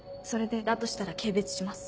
だとしたら軽蔑します。